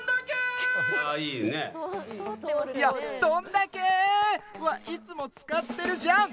いや、「どんだけー！」はいつも使ってるじゃん。